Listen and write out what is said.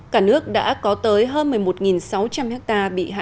cả nước đã có tới hơn một mươi một sáu trăm linh ha